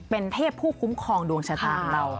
เป็นเทพผู้คุ้มครองดวงชะตาของเรา